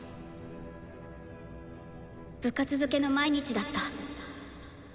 部活づけの毎日だった。